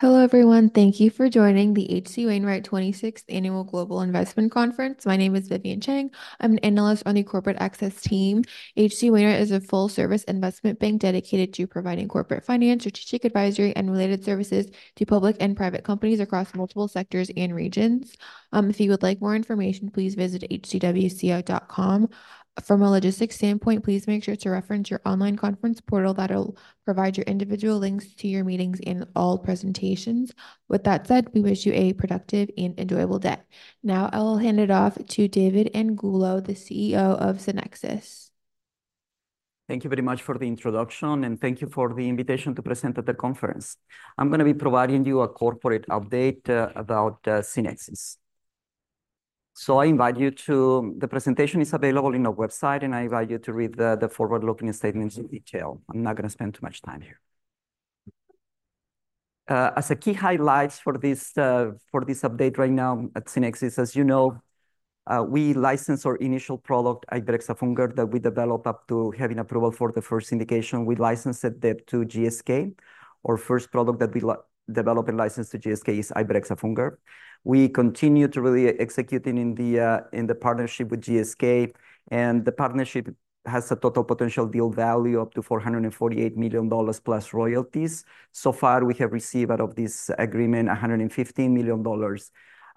Hello, everyone. Thank you for joining the H.C. Wainwright 26th Annual Global Investment Conference. My name is Vivian Chang. I'm an Analyst on the Corporate Access team. H.C. Wainwright is a full-service investment bank dedicated to providing corporate finance, strategic advisory, and related services to public and private companies across multiple sectors and regions. If you would like more information, please visit hcwco.com. From a logistics standpoint, please make sure to reference your online conference portal. That'll provide your individual links to your meetings and all presentations. With that said, we wish you a productive and enjoyable day. Now, I will hand it off to David Angulo, the CEO of SCYNEXIS. Thank you very much for the introduction, and thank you for the invitation to present at the conference. I'm going to be providing you a corporate update about SCYNEXIS. The presentation is available in our website, and I invite you to read the forward-looking statements in detail. I'm not going to spend too much time here. As a key highlights for this update right now at SCYNEXIS, as you know, we licensed our initial product, ibrexafungerp, that we developed up to having approval for the first indication. We licensed it then to GSK. Our first product that we developed and licensed to GSK is ibrexafungerp. We continue to really executing in the partnership with GSK, and the partnership has a total potential deal value up to $448 million plus royalties. So far, we have received out of this agreement $150 million,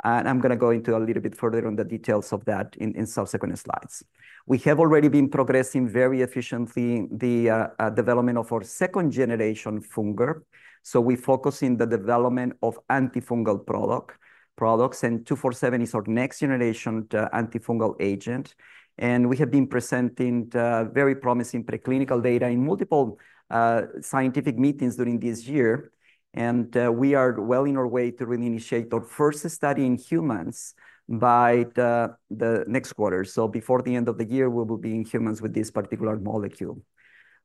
and I'm going to go into a little bit further on the details of that in subsequent slides. We have already been progressing very efficiently the development of our second-generation fungerp. So we focus in the development of antifungal products, and 247 is our next-generation antifungal agent, and we have been presenting very promising preclinical data in multiple scientific meetings during this year. We are well in our way to reinitiate our first study in humans by the next quarter. So before the end of the year, we will be in humans with this particular molecule.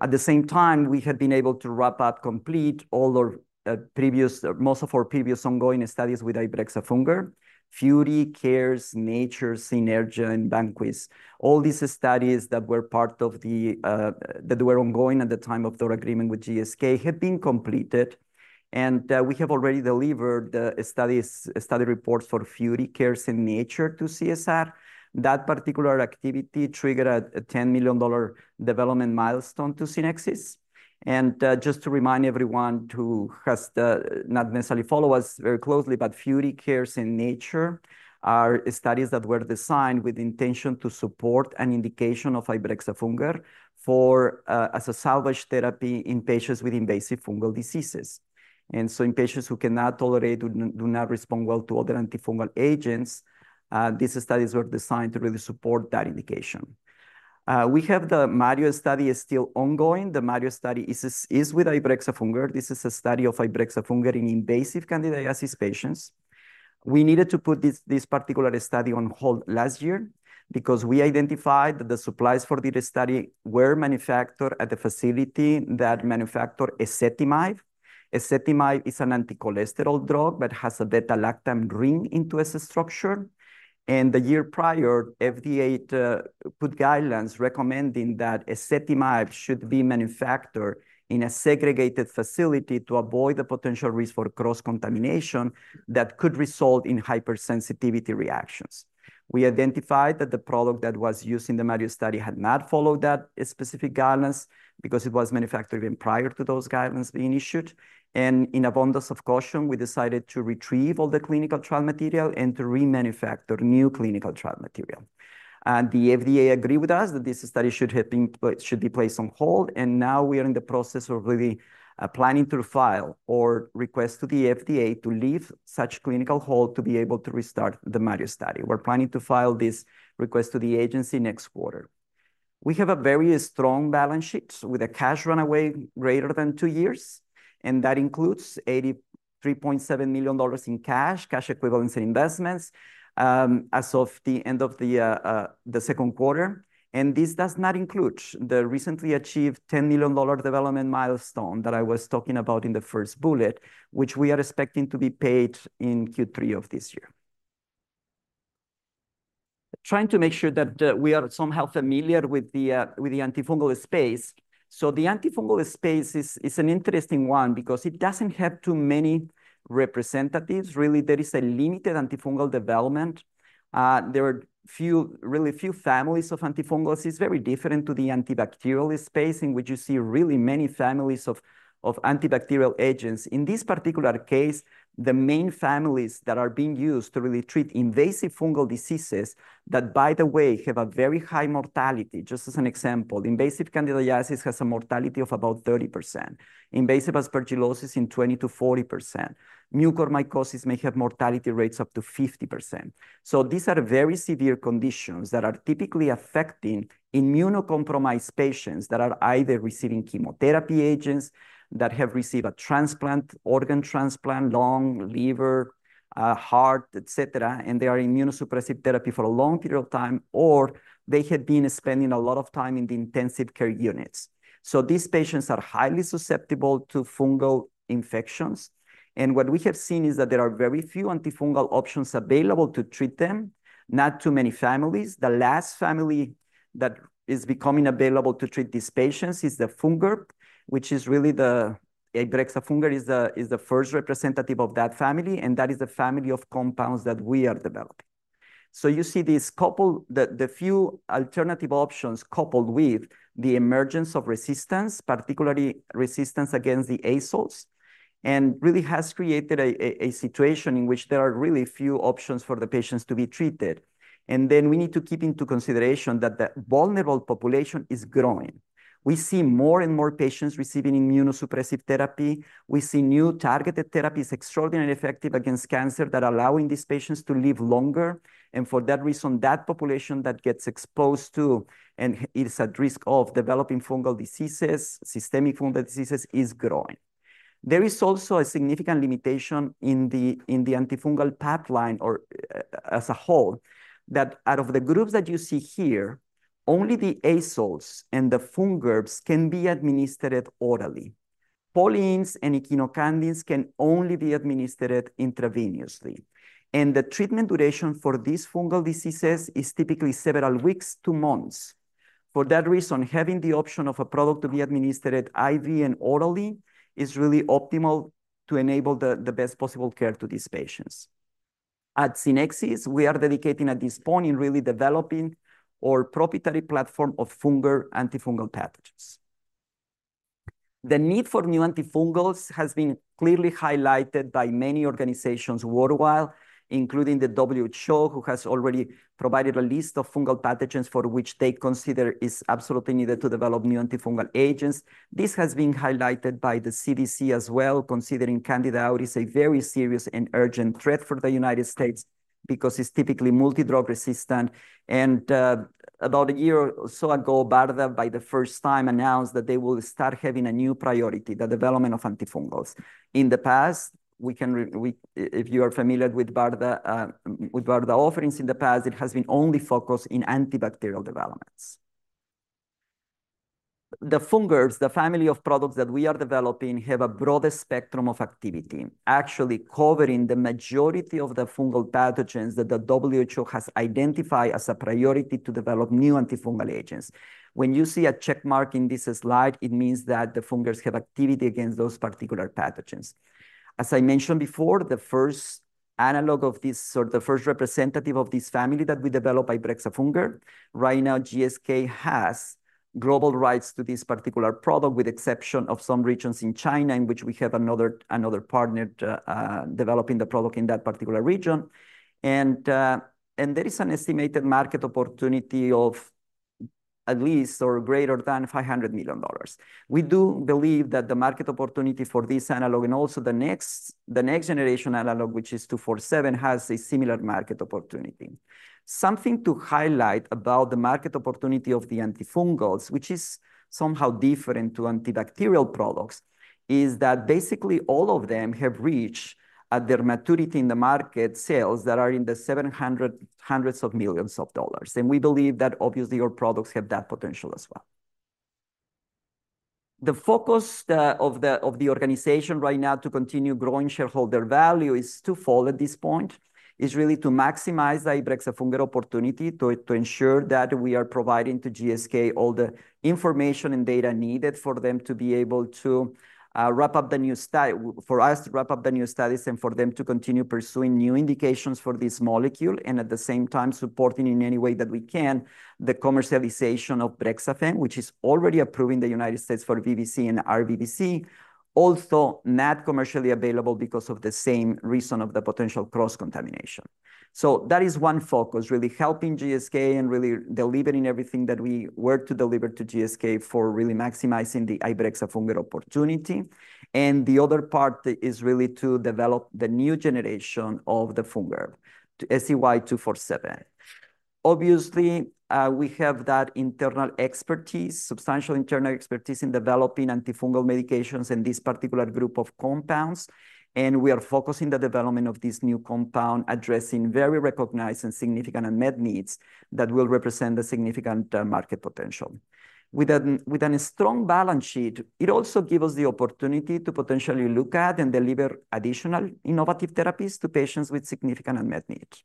At the same time, we have been able to wrap up, complete all our, previous, most of our previous ongoing studies with ibrexafungerp, FURI, CARES, NATURE, SCYNERGIA, and VANQUISH. All these studies that were part of the, that were ongoing at the time of our agreement with GSK have been completed, and, we have already delivered the CSRs for FURI, CARES, and NATURE. That particular activity triggered a $10 million development milestone to SCYNEXIS And, just to remind everyone who hasn't necessarily followed us very closely, but FURI, CARES, and NATURE are studies that were designed with the intention to support an indication of ibrexafungerp for, as a salvage therapy in patients with invasive fungal diseases. And so in patients who cannot tolerate, do not respond well to other antifungal agents, these studies were designed to really support that indication. We have the MARIO study is still ongoing. The MARIO study is with ibrexafungerp. This is a study of ibrexafungerp in invasive candidiasis patients. We needed to put this particular study on hold last year because we identified that the supplies for the study were manufactured at the facility that manufacture ezetimibe. Ezetimibe is an anti-cholesterol drug but has a beta-lactam ring into its structure, and the year prior, FDA put guidelines recommending that ezetimibe should be manufactured in a segregated facility to avoid the potential risk for cross-contamination that could result in hypersensitivity reactions. We identified that the product that was used in the MARIO study had not followed that specific guidelines because it was manufactured even prior to those guidelines being issued. And in abundance of caution, we decided to retrieve all the clinical trial material and to remanufacture new clinical trial material. And the FDA agreed with us that this study should be placed on hold, and now we are in the process of really planning to file or request to the FDA to leave such clinical hold to be able to restart the MARIO study. We're planning to file this request to the agency next quarter. We have a very strong balance sheet with a cash runway greater than two years, and that includes $83.7 million in cash, cash equivalents, and investments, as of the end of the second quarter. And this does not include the recently achieved $10 million development milestone that I was talking about in the first bullet, which we are expecting to be paid in Q3 of this year. Trying to make sure that we are somehow familiar with the antifungal space. So the antifungal space is an interesting one because it doesn't have too many representatives. Really, there is a limited antifungal development. There are few, really few families of antifungals. It's very different to the antibacterial space, in which you see really many families of antibacterial agents. In this particular case, the main families that are being used to really treat invasive fungal diseases that, by the way, have a very high mortality. Just as an example, invasive candidiasis has a mortality of about 30%, invasive aspergillosis in 20%-40%. Mucormycosis may have mortality rates up to 50%. So these are very severe conditions that are typically affecting immunocompromised patients that are either receiving chemotherapy agents, that have received a transplant, organ transplant, lung, liver, heart, et cetera, and they are immunosuppressive therapy for a long period of time, or they had been spending a lot of time in the intensive care units. So these patients are highly susceptible to fungal infections, and what we have seen is that there are very few antifungal options available to treat them, not too many families. The last family that is becoming available to treat these patients is the fungerp, which is really the ibrexafungerp, is the first representative of that family, and that is the family of compounds that we are developing. So you see these couple, the few alternative options, coupled with the emergence of resistance, particularly resistance against the azoles, and really has created a situation in which there are really few options for the patients to be treated, and then we need to keep into consideration that the vulnerable population is growing. We see more and more patients receiving immunosuppressive therapy. We see new targeted therapies, extraordinarily effective against cancer, that are allowing these patients to live longer, and for that reason, that population that gets exposed to and is at risk of developing fungal diseases, systemic fungal diseases, is growing. There is also a significant limitation in the antifungal pipeline as a whole, that out of the groups that you see here, only the azoles and the fungerps can be administered orally. Polyenes and echinocandins can only be administered intravenously, and the treatment duration for these fungal diseases is typically several weeks to months. For that reason, having the option of a product to be administered IV and orally is really optimal to enable the best possible care to these patients. At SCYNEXIS, we are dedicating at this point in really developing our proprietary platform of fungerp, antifungal pathogens. The need for new antifungals has been clearly highlighted by many organizations worldwide, including the WHO, who has already provided a list of fungal pathogens for which they consider is absolutely needed to develop new antifungal agents. This has been highlighted by the CDC as well, considering Candida auris a very serious and urgent threat for the United States because it's typically multi-drug resistant. About a year or so ago, BARDA, for the first time, announced that they will start having a new priority: the development of antifungals. In the past, if you are familiar with BARDA offerings in the past, it has been only focused in antibacterial developments. The fungerps, the family of products that we are developing, have a broader spectrum of activity, actually covering the majority of the fungal pathogens that the WHO has identified as a priority to develop new antifungal agents. When you see a check mark in this slide, it means that the fungerps have activity against those particular pathogens. As I mentioned before, the first analog of this, or the first representative of this family, that we developed ibrexafungerp. Right now, GSK has global rights to this particular product, with exception of some regions in China, in which we have another partner developing the product in that particular region. And there is an estimated market opportunity of at least or greater than $500 million. We do believe that the market opportunity for this analog, and also the next-generation analog, which is 247, has a similar market opportunity. Something to highlight about the market opportunity of the antifungals, which is somehow different to antibacterial products, is that basically all of them have reached, at their maturity in the market, sales that are in the hundreds of millions of dollars. We believe that obviously, our products have that potential as well. The focus of the organization right now to continue growing shareholder value is two-fold at this point. It's really to maximize the ibrexafungerp opportunity to ensure that we are providing to GSK all the information and data needed for them to be able to wrap up the new study for us to wrap up the new studies, and for them to continue pursuing new indications for this molecule, and at the same time, supporting in any way that we can, the commercialization of Brexafemme, which is already approved in the United States for VVC and RVVC, also not commercially available because of the same reason of the potential cross-contamination. So that is one focus, really helping GSK and really delivering everything that we work to deliver to GSK for really maximizing the ibrexafungerp opportunity. And the other part is really to develop the new generation of the fungicide, SCY-247. Obviously, we have that internal expertise, substantial internal expertise in developing antifungal medications in this particular group of compounds, and we are focusing the development of this new compound, addressing very recognized and significant unmet needs that will represent a significant market potential. With a strong balance sheet, it also gives us the opportunity to potentially look at and deliver additional innovative therapies to patients with significant unmet needs.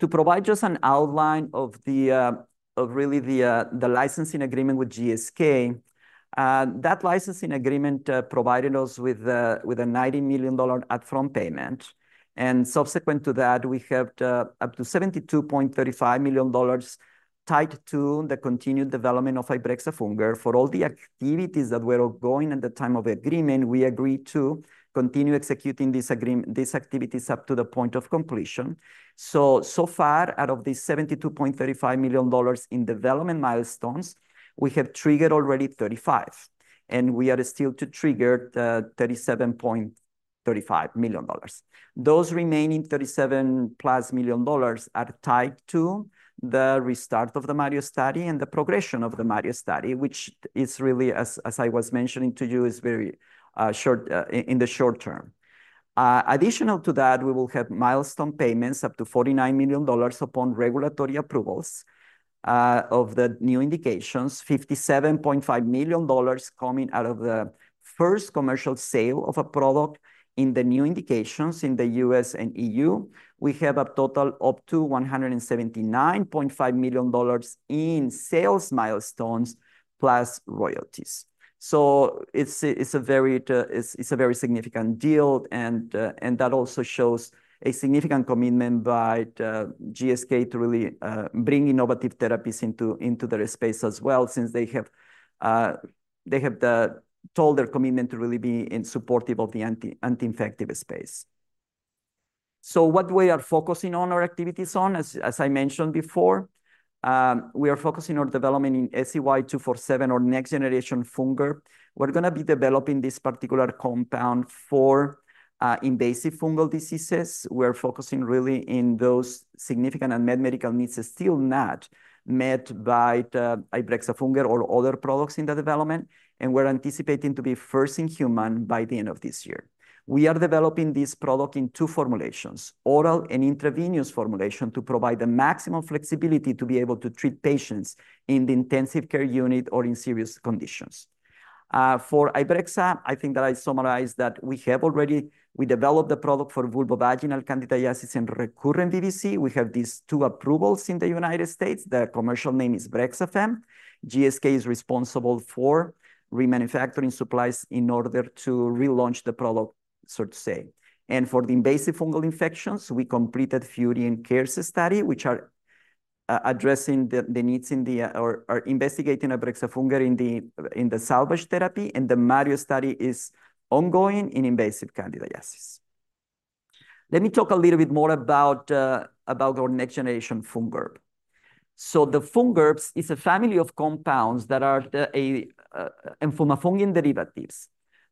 To provide just an outline of really the licensing agreement with GSK, that licensing agreement provided us with a $90 million up-front payment, and subsequent to that, we have up to $72.35 million tied to the continued development of ibrexafungerp. For all the activities that were ongoing at the time of agreement, we agreed to continue executing these activities up to the point of completion. So far, out of the $72.35 million in development milestones, we have triggered already $35 million, and we are still to trigger the $37.35 million. Those remaining $37+ million are tied to the restart of the MARIO study and the progression of the MARIO study, which is really, as I was mentioning to you, is very short in the short term. Additional to that, we will have milestone payments up to $49 million upon regulatory approvals of the new indications, $57.5 million coming out of the first commercial sale of a product in the new indications in the U.S. and EU. We have a total up to $179.5 million in sales milestones plus royalties. It's a very significant deal, and that also shows a significant commitment by the GSK to really bring innovative therapies into the space as well, since they have told their commitment to really be supportive of the anti-infective space. So what we are focusing on our activities on, as I mentioned before, we are focusing on development in SCY-247 or next-generation fungerp. We're going to be developing this particular compound for invasive fungal diseases. We're focusing really in those significant unmet medical needs still not met by the ibrexafungerp or other products in the development, and we're anticipating to be first-in-human by the end of this year. We are developing this product in two formulations, oral and intravenous formulation, to provide the maximum flexibility to be able to treat patients in the intensive care unit or in serious conditions. For ibrexafungerp, I think that I summarized that we have already developed the product for vulvovaginal candidiasis and recurrent VVC. We have these two approvals in the United States. The commercial name is Brexafemme. GSK is responsible for remanufacturing supplies in order to relaunch the product, so to say. And for the invasive fungal infections, we completed FURI and CARES study, which are addressing the needs in the or investigating ibrexafungerp in the salvage therapy, and the MARIO study is ongoing in invasive candidiasis. Let me talk a little bit more about our next generation fungerp. So the fungerps is a family of compounds that are amphotericin derivatives.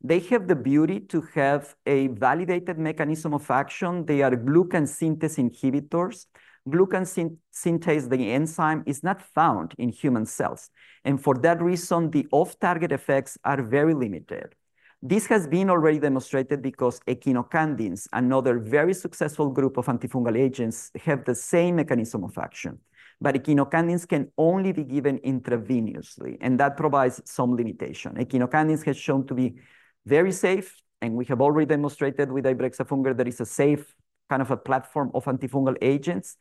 They have the beauty to have a validated mechanism of action. They are glucan synthase inhibitors. Glucan synthase, the enzyme, is not found in human cells, and for that reason, the off-target effects are very limited. This has been already demonstrated because echinocandins, another very successful group of antifungal agents, have the same mechanism of action, but echinocandins can only be given intravenously, and that provides some limitation. Echinocandins has shown to be very safe, and we have already demonstrated with ibrexafungerp there is a safe, kind of a platform of antifungal agents,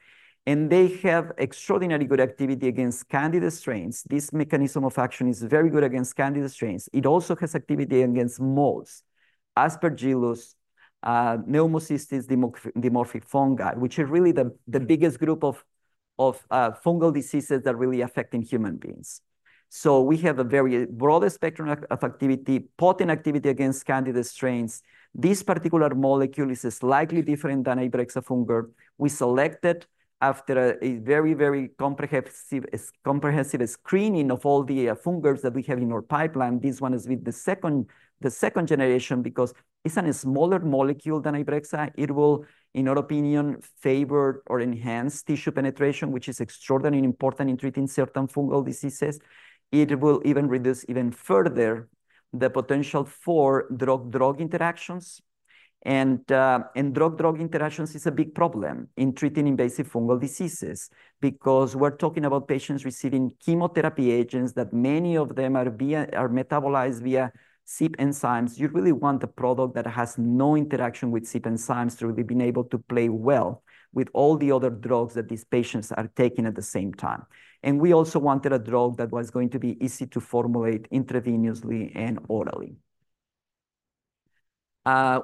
and they have extraordinarily good activity against Candida strains. This mechanism of action is very good against Candida strains. It also has activity against molds, Aspergillus, Pneumocystis, dimorphic fungi, which are really the biggest group of fungal diseases that are really affecting human beings. So we have a very broad spectrum of activity, potent activity against Candida strains. This particular molecule is slightly different than ibrexafungerp. We selected after a very comprehensive screening of all the fungerps that we have in our pipeline. This one is the second generation because it's a smaller molecule than ibrexafungerp. It will, in our opinion, favor or enhance tissue penetration, which is extraordinarily important in treating certain fungal diseases. It will even reduce further the potential for drug-drug interactions. Drug-drug interactions is a big problem in treating invasive fungal diseases because we're talking about patients receiving chemotherapy agents that many of them are metabolized via CYP enzymes. You really want a product that has no interaction with CYP enzymes to really be able to play well with all the other drugs that these patients are taking at the same time. We also wanted a drug that was going to be easy to formulate intravenously and orally.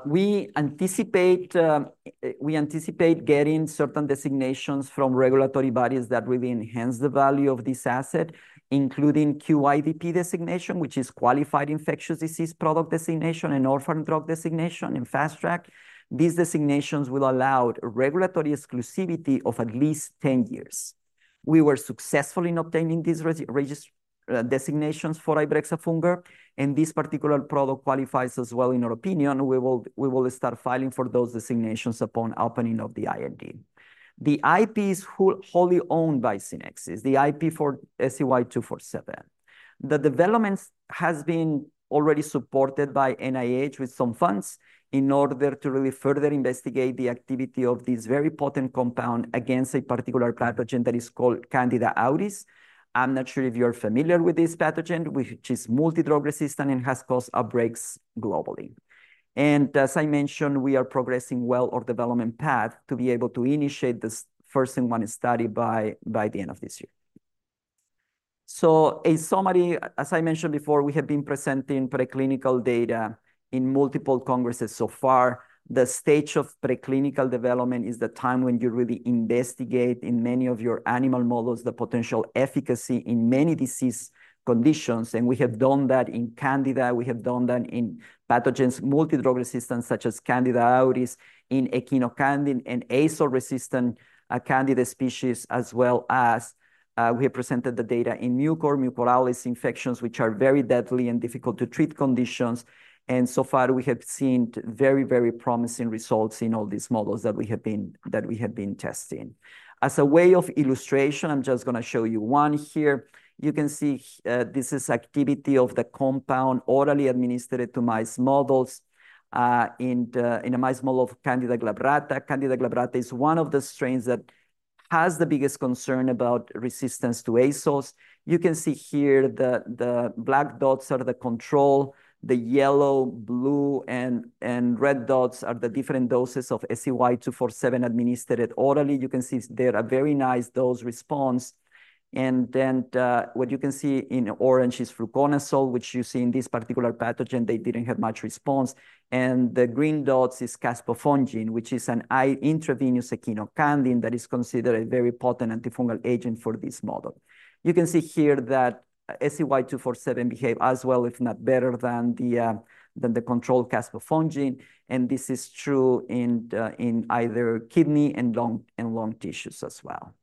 We anticipate getting certain designations from regulatory bodies that really enhance the value of this asset, including QIDP designation, which is Qualified Infectious Disease Product Designation, and Orphan Drug Designation and Fast Track. These designations will allow regulatory exclusivity of at least ten years. We were successful in obtaining these regulatory designations for ibrexafungerp, and this particular product qualifies as well, in our opinion. We will start filing for those designations upon opening of the IND. The IP is wholly owned by SCYNEXIS the IP for SCY-247. The development has been already supported by NIH with some funds in order to really further investigate the activity of this very potent compound against a particular pathogen that is called Candida auris. I'm not sure if you're familiar with this pathogen, which is multi-drug resistant and has caused outbreaks globally. As I mentioned, we are progressing well on development path to be able to initiate this first-in-human study by the end of this year. In summary, as I mentioned before, we have been presenting preclinical data in multiple congresses so far. The stage of preclinical development is the time when you really investigate in many of your animal models, the potential efficacy in many disease conditions, and we have done that in Candida. We have done that in pathogens, multi-drug resistance, such as Candida auris, in echinocandin- and azole-resistant Candida species, as well as we have presented the data in Mucorales infections, which are very deadly and difficult to treat conditions. So far, we have seen very, very promising results in all these models that we have been testing. As a way of illustration, I'm just going to show you one here. You can see this is activity of the compound orally administered to mouse models in a mouse model of Candida glabrata. Candida glabrata is one of the strains that has the biggest concern about resistance to azoles. You can see here the black dots are the control, the yellow, blue, and red dots are the different doses of SCY-247 administered orally. You can see there a very nice dose response. Then what you can see in orange is fluconazole, which you see in this particular pathogen, they didn't have much response. The green dots is caspofungin, which is an intravenous echinocandin that is considered a very potent antifungal agent for this model. You can see here that SCY-247 behave as well, if not better than the control caspofungin, and this is true in either kidney and lung tissues as well.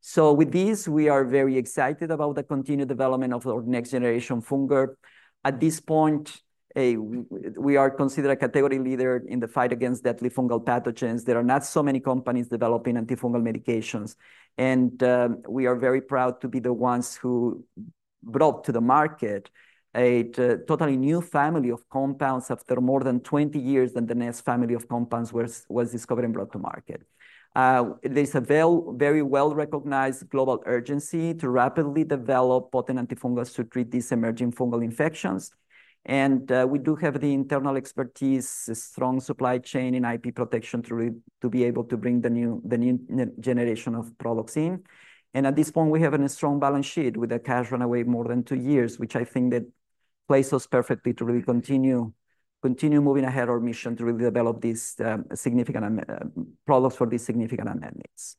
So with this, we are very excited about the continued development of our next generation fungerp. At this point, we are considered a category leader in the fight against deadly fungal pathogens. There are not so many companies developing antifungal medications, and we are very proud to be the ones who brought to the market a totally new family of compounds after more than twenty years than the next family of compounds was discovered and brought to market. There's a very well-recognized global urgency to rapidly develop potent antifungals to treat these emerging fungal infections, and we do have the internal expertise, a strong supply chain in IP protection to be able to bring the new generation of products in. At this point, we have a strong balance sheet with a cash runway more than two years, which I think that places us perfectly to really continue moving ahead our mission to really develop these significant products for these significant unmet needs.